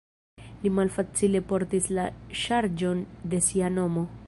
Li malfacile portis la ŝarĝon de sia nomo.